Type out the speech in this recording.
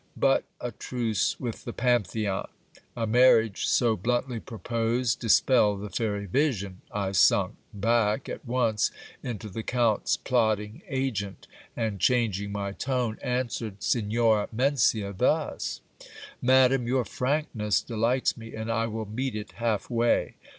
But a truce with the Pantheon ! A marriage so bluntly proposed dis pelled the fairy vision : I sunk back at once into the count's plodding agent ; and changing my tone, answered Signora Mencia thus : Madam, your frankness delights me, and I will meet it half way.